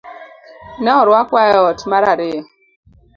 Ne orwakwa e ot mar ariyo